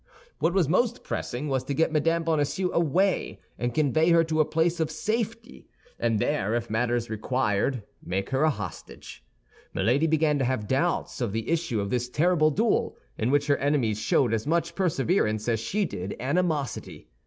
What was most pressing was to get Mme. Bonacieux away, and convey her to a place of safety, and there, if matters required, make her a hostage. Milady began to have doubts of the issue of this terrible duel, in which her enemies showed as much perseverance as she did animosity.